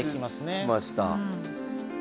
来ました。